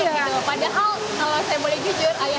lihat gerobak ini wah paling nyontek nih